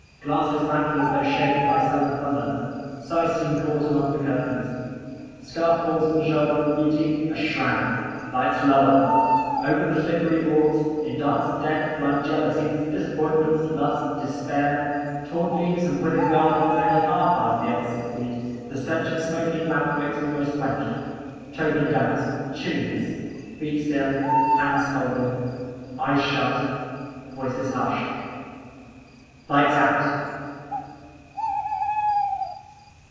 Glasses rattle as though shaken by sullen thunder. Sighs seem caught among the curtains. Scarf falls from the shoulder of beauty, a shroud! Lights lower! Over the slippery boards, in dance of death, glide jealousies, disappointments, lust, despair. Torn leaves and withered garlands only half hide the ulcered feet. The stench of smoking lamp wicks almost quenched. Choking damps. Chilliness. Feet still. Hands folded. Eyes shut. Voices hushed. LIGHTS OUT!